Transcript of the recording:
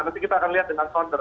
nanti kita akan lihat dengan sounder